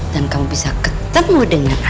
dan kamu bisa ketemu sama dia